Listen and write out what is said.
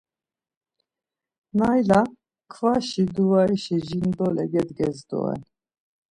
Nayla, kvaşi duvarişi jindole gedges doren.